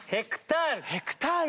ヘクタール。